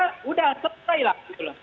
sudah selesai lah